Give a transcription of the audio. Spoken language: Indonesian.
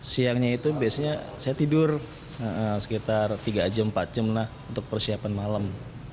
siangnya itu biasanya saya tidur sekitar tiga jam empat jam lah untuk persiapan malam